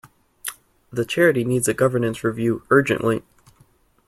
The charity needs a governance review urgently